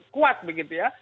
kuat begitu ya